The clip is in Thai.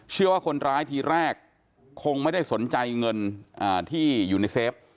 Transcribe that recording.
เชื่อว่าคนร้ายทีแรกคงไม่ได้สนใจเงินที่อยู่ในเซฟ